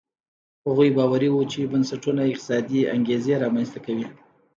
هغوی باوري وو چې بنسټونه اقتصادي انګېزې رامنځته کوي.